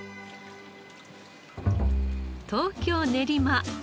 東京練馬。